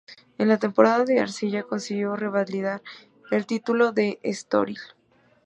En la temporada de arcilla consiguió revalidar el título de Estoril.